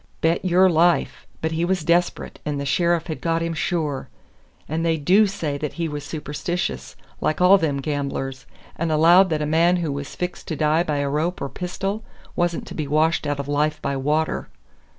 "Bet your life! but he was desp'rate, and the sheriff had got him sure! And they DO say that he was superstitious, like all them gamblers, and allowed that a man who was fixed to die by a rope or a pistol wasn't to be washed out of life by water."